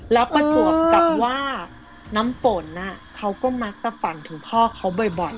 แล้วประจวบกับว่าน้ำฝนเขาก็มักจะฝันถึงพ่อเขาบ่อย